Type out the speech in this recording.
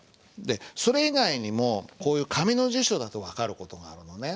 それ以外にもこういう紙の辞書だと分かる事があるのね。